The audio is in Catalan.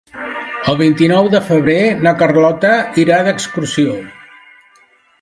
El vint-i-nou de febrer na Carlota irà d'excursió.